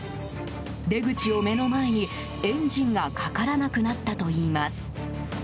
出口を目の前に、エンジンがかからなくなったといいます。